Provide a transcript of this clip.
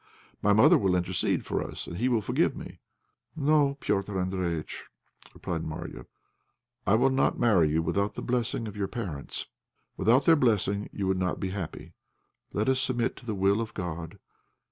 My mother will intercede for us, and he will forgive me." "No, Petr' Andréjïtch," replied Marya, "I will not marry you without the blessing of your parents. Without their blessing you would not be happy. Let us submit to the will of God.